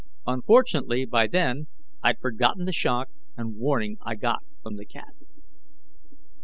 Unfortunately, by then, I'd forgotten the shock and warning I got from the cat.